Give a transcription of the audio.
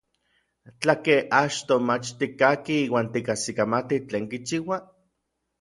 Tlakej achtoj mach tikkakij iuan tikajsikamati tlen kichiua?